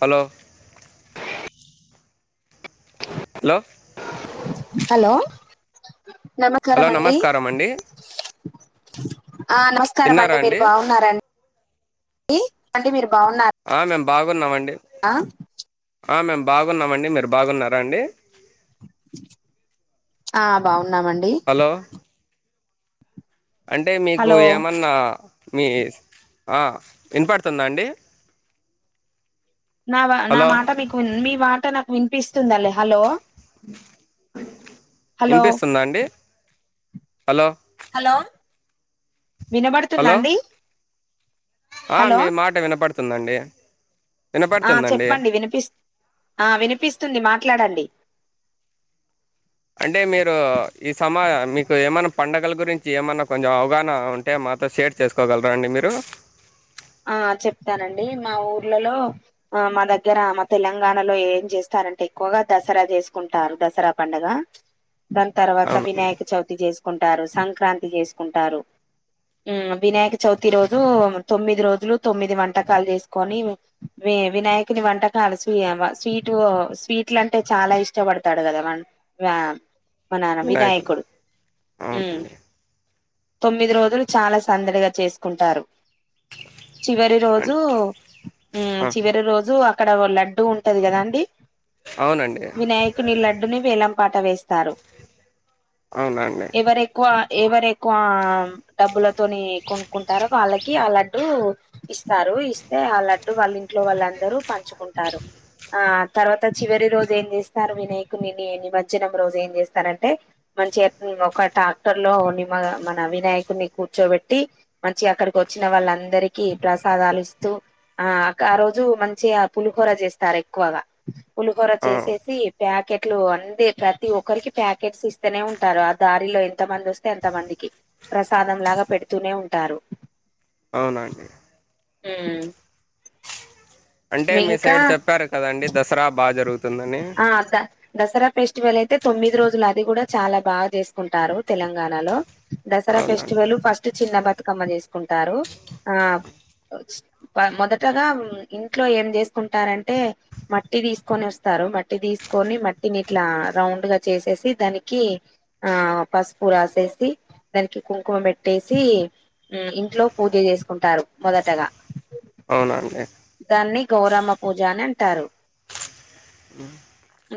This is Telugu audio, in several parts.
హలో హలో హలో హలో నమస్కారంఅండి నమస్కారం అండి ఆ నమస్కారం అండి మీరు బాగున్నారండి అండి మీరు బాగున్నారు ఆ మేము బాగున్నామండి ఆ ఆ మేము బాగున్నామండి మీరు బాగున్నారా అండి ఆ బాగున్నామండి హలో అంటే మీకు హలో ఏమన్నా మీ ఆ వినపడుతుందా అండి నా నా హలో మాట మీకు మీ మాట నాకు వినిపిస్తుందిల హలో హలో వినిపిస్తుందా అండి హలో హలో వినబడుతుందా హలో అండి హలో మీ మాట వినపడుతుందండి వినపడుతుందండి వినిపిస్త ఆ వినిపిస్తుంది మాట్లాడండి అంటే మీరు ఈ సమా మీకు ఏమన్నా పండగల గురించి ఏమైన్నా కొంచెం అవగాహన ఉంటే మాతో షేర్ చెస్ చేసుకోగలరా అండి మీరు ఆ చెప్తానండి మా ఊర్లలో ఆ మా దగ్గర మా తెలంగాణలో ఏం చేస్తారంటే ఎక్కువగా దసరా చేసుకుంటారు దసరా పండగ దాని తర్వాత అవునండి వినాయక చవితి చేసుకుంటారు సంక్రాంతి చేసుకుంటారు ఊ వినాయక చవితి రోజు తొమ్మిది రోజులు తొమ్మిది వంటకాలు చేసుకొని వినాయకుని వంటకాలు సి స్వీట్ స్వీట్లు అంటే చాలా ఇష్టపడతాడు కదా వ మన వినాయకుడు ఊ అవునండి తొమ్మిది రోజులు చాలా సందడిగా చేసుకుంటారు చివరి రోజు అం- ఆ. చివరి రోజు అక్కడ లడ్డు ఉంటది కదా అండి అవునండి వినాయకుని లడ్డుని వేలం పాట వేస్తారు అవునండి ఎవరు ఎక్కువ ఎవరు ఎక్కువ డబ్బులతోని కొనుక్కుంటారో వాళ్ళకి అ లడ్డు లడ్డు ఇస్తారు ఇస్తే ఆ లడ్డు వాళ్ళ ఇ ఇంట్లో వాళ్ళందరూ పంచుకుంటారు ఆ తర్వాత చివరి రోజు ఏం చేస్తారు వినాయకునిని నిమజ్జనం రోజు ఏం చేస్తారంటే మన చేతుల్లో ఒక ట్రాక్టర్ లో ని మన అవినాయకుడిని కూర్చోబెట్టి మంచిగా అక్కడికి వచ్చిన వాళ్ళందరికీ ప్రసాదాలు ఇస్తూ ఆ ఆ రోజు మంచిగా పులిహూర చేస్తారు ఎక్కువగా పులిహోర ఆ చేసేసి ప్యాకెట్లు అందే ప్రతి ఒక్కరికి ప్యాకెట్స్ ఇస్త వస్తనే ఉంటారు ఆ దారిలో ఎంత మంది వస్తే ఎంత మందికి ప్రసాదం లాగా పెడుతూనే ఉంటారు అవునండి హ్మ్ అంటే మీ ఇంకా సైడ్ చెప్పారు కదండి దసరా బాగా జరుగుతుంది ఆ అదా దసరా ఫెస్టివల్ అయితే తొమ్మిది రోజులు అది కూడా చాలా బాగా చేసుకుంటారు తెలంగాణలో దసరా అవునండి ఫెస్టివల్ ఫస్ట్ చిన్న బతుకమ్మ చేసుకుంటారు ఆ మొదటగా ఇంట్లో ఏం చేసుకుంటారంటే మట్టి తీసుకొని వస్తు వస్తారు మట్టి తీసుకొని మట్టిని ఇట్లా రౌండ్ గా చేసేసి దానికి ఆ పసుపు రాసేసి దానికి కుంకుమ పెట్టేసి ఇంట్లో పూజ చేసుకుంటారు మొదటగా అవునండి దాన్ని గౌరమ్మ పూజ అని అంటారు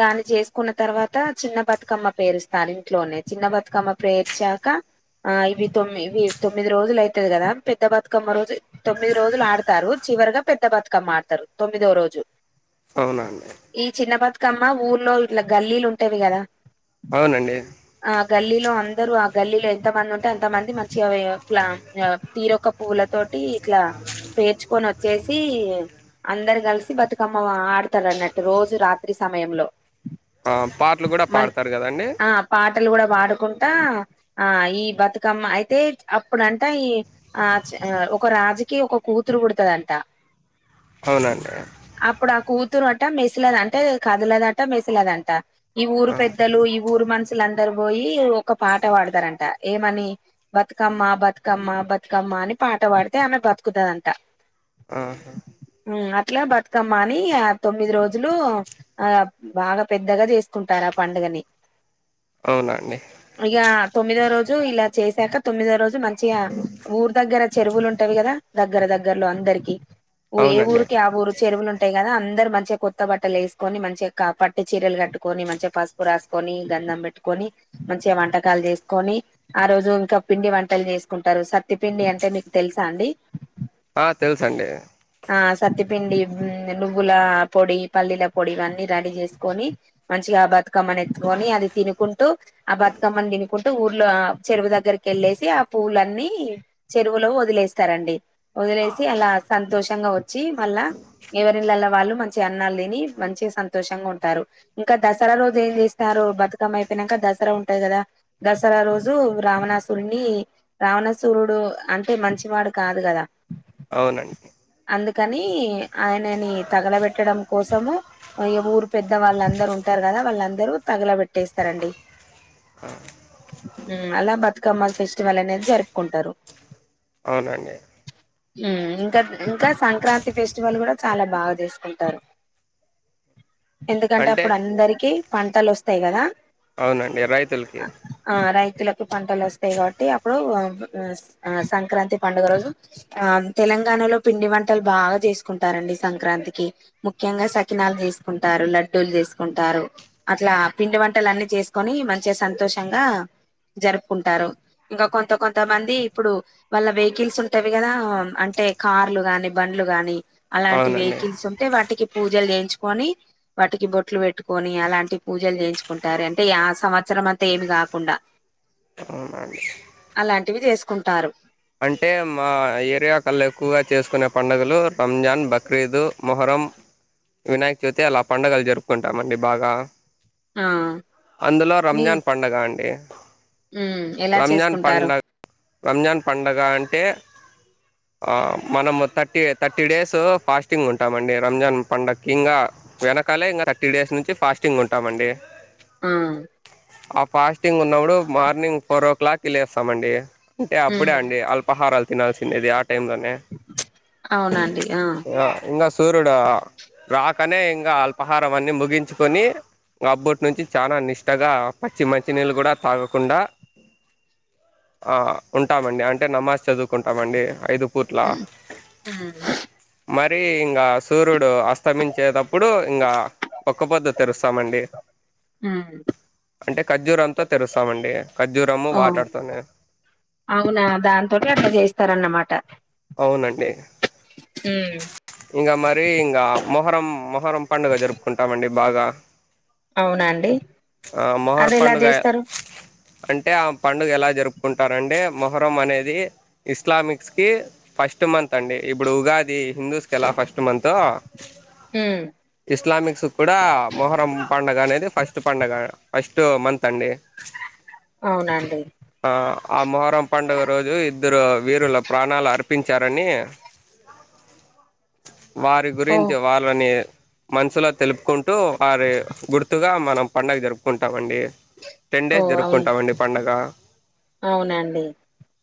దాన్ని చేసుకున్న తర్వాత చిన్న బతుకమ్మ పేరుస్తారు ఇంట్లోనే చిన్న బతుకమ్మ పేర్చాక ఆ ఇవి తొమ్మి ఇవి తొమ్మిది రోజులు అవుతది కదా పెద్ద బతుకమ్మ రోజు తొమ్మిది రోజులు ఆడతారు చివరిగా పెద్ద బతుకమ్మ ఆడతారు తొమ్మిదో రోజు అవున ఈ చిన్న బతుకమ్మ ఊర్లో ఇట్లా గల్లీలు ఉంటేవి కదా అవునండి ఆ గల్లీలో అందరు ఆ గల్లీలో ఎంత మంది ఉంటే ఎంత మంది మచి అవ ఫ్లామ్ తీరొక పూవల తోటి ఇట్లా పేర్చుకొని వచ్చేసి అందరు కలిసి బతుకమ్మ ఆడతారు అన్నట్టు రోజు రాత్రి సమయంలో ఆ పాటలు కూడా మన్ పాడతారు కదండి ఆ పాటలు గూడా పాడుకుంటా ఆ ఈ బతుకమ్మ అయితే అప్పుడంటా ఈ ఆ చ్ ఒక రాజకీయ ఒక కూతురు పుడతాదంట అవునండి అప్పుడు ఆ కూతురు అంట మెసిలద అంటే కదులదంట మెసిలదంట ఈ ఊరు ఆ పెద్దలు ఈ ఊరు మనుషుల అందరు పోయి ఒక పాట పాడతారంట ఏమని బతుకమ్మ బతుకమ్మ బతుకమ్మ అని పాట పాడితే ఆమె బతుకుతుదంట ఆ ఉ అట్లా బతుకామ్మా ఆనీ తొమ్మిది రోజులు ఆ బాగా పెద్దగా చేసుకుంటారు ఆ పండుగని అవునండి ఇగా తొమ్మిదో రోజు ఇలా చేసాక తొమ్మిదో రోజు మంచిగా ఊరు దగ్గర చెరువులు ఉంటావి కదా దగ్గర దగ్గరలో అందరికి ఏ అవునండి ఊరికి ఆ ఊరు చెరువులు ఉంటాయి కదా అందరు మంచిగా కొత్త బట్టలు యేసుకొని మంచిగా పట్టు చీరలు కట్టుకొని మంచిగా పసుపు రాసుకొని గంధం పెట్టుకొని మంచిగా వంటకాలు చేసుకొని ఆ రోజు ఇంకా పిండి వంటలు చేసుకుంటారు సత్తి పిండి అంటే మీకు తెలుసా అండి ఆ తెలుసు అండి ఆ సత్తిపిండి నువ్వుల పొడి పల్లీల పొడి ఇవన్నీ రెడీ చేసుకొని మంచిగా బతుకమ్మని ఎత్తుకొని అది తినుకుంటూ ఆ బతుకమ్మని తినుకుంటూ ఊర్లో ఆ చెరువు దగ్గరికి కెళ్ళేసి ఆ పూలన్నీ చెరువులో వదిలేస్తారండి వదిలేసి అలా సంతోషంగా వచ్చి మళ్ళా ఎవరి ఇండ్లల్లో వాళ్ళు మంచిగా అన్నాలు తిని మంచిగా సంతోషంగా ఉంటారు ఇంకా దసరా రోజు ఏం చేసినారు బతుకమ్మ అయిపోయినాంక దసరా ఉంటాది కదా దసరా రోజు రావణాసురున్ని రావణసూరుడు అంటే మంచివాడు కాదు కదా అవునండి అందుకని ఆయనని తగలబెట్టడం కోసము అయ ఊరు పెద్ద వాళ్ళందరు ఉంటారు కదా వాళ్ళందరూ తగలబెట్టేస్తారండి ఆ మ్మ్ అలా బతుకమ్మ ఫెస్టివల్ అనేది జరుపుకుంటారు అవునండి మ్మ్ ఇంకా ఇంకా సంక్రాంతి ఫెస్టివల్ కూడా చాలా బాగా చేస్తాం ఉంటారు ఎందుకంటే అంటే అప్పుడు అందరికి పంటలు వస్తాయి కదా అవునండి రైతులకి ఆ రైతులకు పంటలు వస్తాయి కాబట్టి అప్పుడు ఆ ఆ సంక్రాంతి పండుగ రోజు ఆ తెలంగాణలో పిండి వంటలు బాగా చేసుకుంటారండి సంక్రాంతికి ముఖ్యంగా సక్కినాలు చేసుకుంటారు లడ్డూలు చేసుకుంటారు అట్లా పిండి వంటలన్ని చేసుకొని మంచిగా సంతోషంగా జరుపుకుంటారు ఇంకా కొంత కొంత మంది ఇప్పుడు వాళ్ళ వెహికీల్స్ ఉంటావి కదా అంటే కార్లు గాని బండ్లు గాని అలాంటి అవునండి వెహికీల్స్ ఉంటే వాటికి పూజలు చేయించుకొని వాటికి బొట్లు పెట్టుకొని అలాంటి పూజలు చేయించుకుంటారు అంటే యా సంవత్సరం అంతా ఏమి కాకుండా ఆ ఉనా అండి అలాంటివి చేసుకుంటారు అంటే మా ఏరియా కల్లా ఎక్కువగా చేసుకునే పండుగలు రంజాన్ బక్రీదు మొహరం వినాయక చవితి అలా పండుగలు జరుపుకుంటామండి బాగా ఆ అందులో మీ రంజాన్ పండగ అండి ఉమ్ ఎలా రంజాన్ చేసుకుంటారు పండగ రంజాన్ పండగ అంటే ఆ మనము థర్టీ థర్టీ డేస్ ఫాస్టింగ్ ఉంటామండి రంజాన్ పండక్కి ఇంగా వెనకాలే ఇంకా థర్టీ డేస్ నుంచి ఫాస్టింగ్ ఉంటామండి ఆ ఆ ఫాస్టింగ్ ఉన్నప్పుడు మార్నింగ్ ఫోర్ ఓ క్లాక్ కీ లేస్తామండి అంటే అప్పుడే ఉమ్ అండి అల్పహరాలు తినాల్సిండేది ఆ టైంలోనే అవునాండి ఆ ఇంగా సూర్యుడు రాకనే ఇంగా అల్పాహారం అన్ని ముగించుకొని అబ్బటినుంచి చాలా నిష్టగా పచ్చి మంచినీళ్ళు కూడా తాగకుండా ఆ ఉంటామండి అంటే నమాజ్ చదుకుంటామండి ఐదు పూట్ల ఉమ్ మరీ ఇంగా సూరూడు అస్తమించే తప్ ప్పుడు ఇంగా ఒక్క పొద్దు తెరుస్తామండి ఆ అంటే ఖర్జురంతో తెరుస్తామండి ఖర్జురము ఓ వాటర్తోనే అవునా దాంతోటే అట్లా చేస్తారన్నమాట అవునండి ఉమ్ ఇంగా మరీ ఇంగా మొహరం మొహరం పండుగ జరుపుకుంటామండి బాగా అవునండి ఆ మొహర్ అది ఎలా పండుగయ చేస్తారు అంటే ఆ పండుగ ఎలా జరుపుకుంటారండి మొహరం అనేది ఇస్లామిక్స్ కి ఫస్ట్ మంత్ అండి ఇప్పుడు ఉగాది హిందూస్ కెలా ఫస్ట్ మంతో ఉమ్ ఇస్లామిక్స్ కూడా మొహరం పండగనేది ఫస్ట్ పండగ ఫస్ట్ మంత్ అండి అవునాండి ఆ ఆ మొహరం పండుగ రోజు ఇద్దరు వీరుల ప్రాణాలర్ప్ పించారని వారి ఓ గురించి వార్ తోని మనసులో తెలుపుకుంటూ వారి గుర్తుగా మనం పండగ్ జరుపుకుంటామండి టెన్ ఓ డేస్ అవును జరుపుకుంటామండి పండగ అవునండి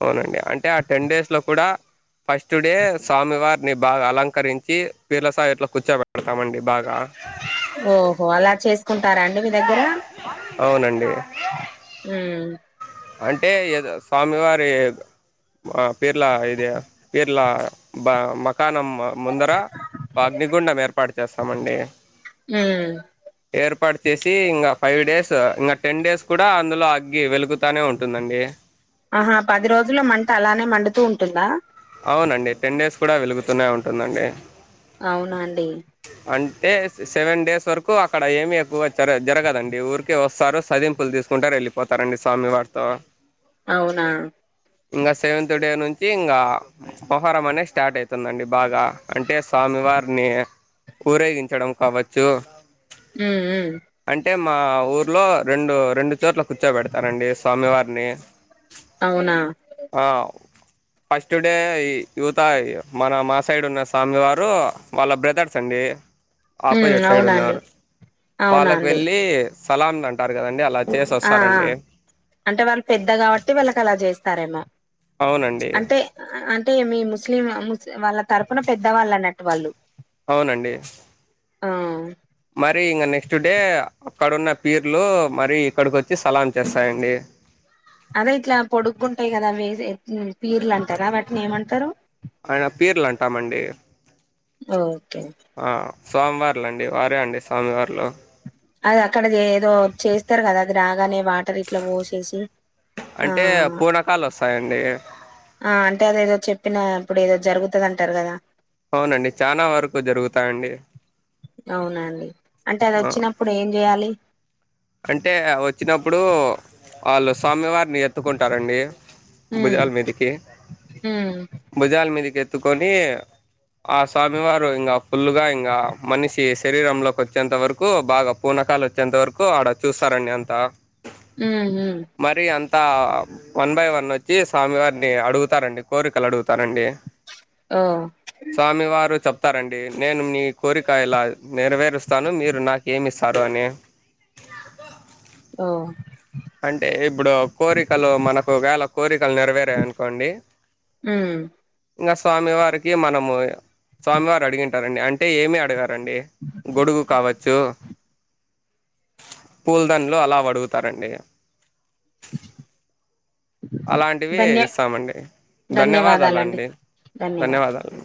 అవునండి అంటే ఆ టెన్ డేస్ లో కూడా ఫస్ట్ డే స్వామివారిని బాగా అలంకరించి పీర్ల స ఇట్లో కూర్చోబెడతామండి బాగా ఓహో అలా చేసుకుంటారాండి మీ దగ్గర అవునండి ఊ అంటే ఏదొ స్వామివారి ఆ పీర్లా ఇదే పీర్లా బ మ క్కానం ముందర ఒ అగ్నిగుండం ఏర్పాటు చేస్తామండి ఉమ్ ఏర్పాటు చేసి ఇంగా ఫైవ్ డేస్ ఇంగ టెన్ డేస్ కూడా అందులో అగ్గి వెలుగు త్తానే ఉంటుందండి ఆహా పది రోజుల్లో మంట అలానే మండుతూ ఉంటుందా అవునండి టెన్ డేస్ కూడ వెలుగుతూనే ఉంటుందండి అవునాండి అంటే సెవెన్ డేస్ వరకు అక్కడ ఏమి ఎక్కువ చర జరగదండి ఊరికే ఒస్తారు సదిమ్ పుల్ తీసుకుంటార్ ఎళ్ళిపోతారండి స్వామి వారితో అవునా ఇంగ సెవెంత్ డే నుంచి ఇంగా పొహరమనే స్టార్ట్ అయితుందండి బాగా అంటే సామివారిని ఊరేగించడం కావచ్చు ఉమ్ ఉమ్ అంటే మా ఊర్లో రెండు రెండు చోట్ల కూర్చోబెడతారండి స్వామివారిని అవునా ఆవ్ టుడే యువత మన మా సైడ్ ఉన్న స్వామి వారు వాళ్ళ బ్రదర్స్ అండి ఉమ్ ఆపోయెట్ సైడ్ అవునండి ఉన్నారు అవునా వాళ్ళక్ అండి వెళ్ళి సలాంల్ అంటారు కదండి అలా చేసి ఆ ఆ వస్తారండి అంటే వాళ్ పెద్ద కావట్టి వాళ్ళక్ అలా జేస్తారేమో అవునండి అంటే అంటే మీ ముస్లిం ముస్ వాళ్ళ తరపున పెద్దవాళ్ళు అన్నట్టు వాళ్ళు. అవునండి. ఆ మరి ఇంక నెక్స్ట్ డే అక్కడున్న పీర్లు మరి ఇక్కడికి వచ్చి సలాం చేస్తాయండి అదే ఇట్ల పొడుగ్గుంటాయి కదా వే పీర్లు అంటార వాటిని ఏమంటారు? ఆయన పీర్లు అంటామండి ఓకె ఆ స్వామివార్లు అండి వారే అండి స్వామివార్లు అది అక్కడది ఏదో చేస్తారు కదా అది రాగానే వాటరి ఇట్ల పోసేసి ఆ అంటే పూనకాలు వస్తాయండి ఆ అంటే అదేదో చెప్పిన అప్పుడు ఏదో జరుగుతది అంటారు కదా అవునండి చాన వరకు జరుగుతాయండీ అవునండి అంటే అది ఆ వచ్చినప్పుడు ఏం చేయాలి? అంటే వచ్చినప్పుడు వాళ్ళు స్వామివారిని ఎత్తుకుంటారండి. భుజాలమీదికి మ్ భుజాల మీదకి ఎత్తుకొని ఆ స్వామివారు ఇంగ ఫుల్లుగా ఇంగ మనిషి శరీరంలోకి వచ్చేంత వరకు బాగ పూనాకాలు వచ్చేంత వరకు ఆడ చూస్తారండి అంతా మ్ హ్మ్ మరి అంతా వన్ బై వన్ వచ్చి, స్వామి వారిని అడుగుతారండి, కోరికలు అడుగుతారండి. ఆ స్వామి వారు చెప్తారండి నేను మీ కోరిక ఇలా నెరవేరుస్తాను మీరు నాక్ ఏమిస్తారు అని ఆ అంటే ఇప్పుడు కోరికలు మనకు వేళ కోరికలు నెరవేరాయనుకోండి మ్ ఇంగ స్వామి వారికి మనము, స్వామివారు అడిగింటారండి. అంటే ఏమి అడగర్ అండి గొడుగు కావచ్చు పూలదండలు అలా అవడుగుతారండి అలాంటివి ధన్య ఇస్తామండి. ధన్యవాదాలండి ధన్యవాదాలు